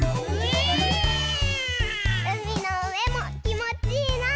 うみのうえもきもちいいな！